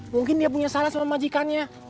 mungkin dia punya salah sama majikannya